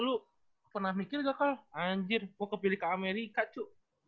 lu pernah mikir gak kalo anjir gue kepilih ke amerika cu